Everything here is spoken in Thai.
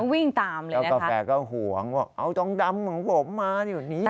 ทองดำนะครับกาแฟก็ห่วงว่าเอาทองดำของผมมาอยู่นี้เลยนะครับ